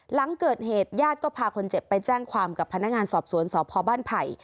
หลังเกิดเหตุญาติก็พาคนเจ็บไปแจ้งความกับพนักงานสอบสวนสพบ้านไผ่